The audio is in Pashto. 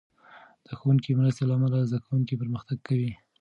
د ښوونکې مرستې له امله، زده کوونکي پرمختګ کوي.